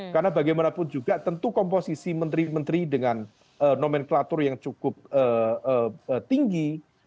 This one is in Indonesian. karena bagaimanapun juga tentu komposisi menteri menteri dengan nomenklatur yang cukup tinggi